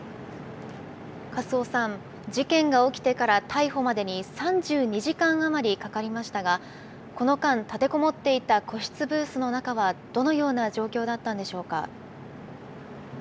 粕尾さん、事件が起きてから逮捕までに、３２時間余りかかりましたが、この間、立てこもっていた個室ブースの中は、どのような状況だったんでしょうか。